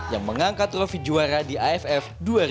yang mengangkat rofi juara di aff